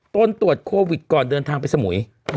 ตรวจโควิดก่อนเดินทางไปสมุย